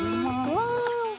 わあ。